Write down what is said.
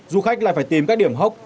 du khách lại phải tìm các điểm hốc